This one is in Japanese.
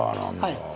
はい。